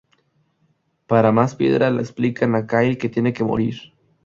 Para más piedra, le explican a Kyle que "tiene que morir".